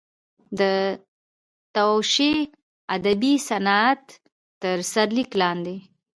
د توشیح ادبي صنعت تر سرلیک لاندې.